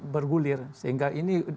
bergulir sehingga ini